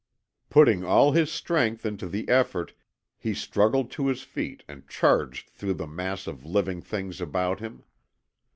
Putting all his strength into the effort he struggled to his feet and charged through the mass of living things about him.